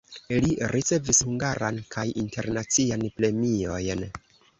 Li ricevis hungaran kaj internacian premiojn.